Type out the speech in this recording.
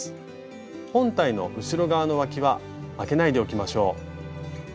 本体の後ろ側のわきはあけないでおきましょう。